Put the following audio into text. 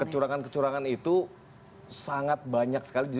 kecurangan kecurangan itu sangat banyak sekali